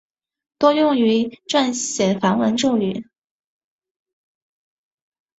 多用于转写梵文咒语。